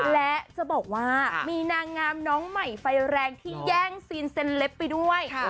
และจะบอกว่ามีนางงามน้องใหม่ไฟแรงที่แย่งซีนเซ็นเล็ปไปด้วย